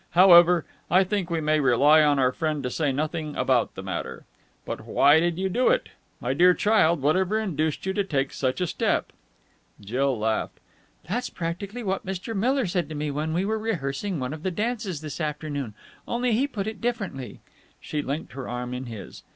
However, I think, we may rely on our friend to say nothing about the matter.... But why did you do it? My dear child, whatever induced you to take such a step?" Jill laughed. "That's practically what Mr. Miller said to me when we were rehearsing one of the dances this afternoon, only he put it differently." She linked her arm in his.